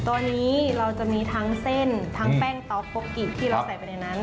ตัวนี้เราจะมีทั้งเส้นทั้งแป้งต๊อกโกกิที่เราใส่ไปในนั้น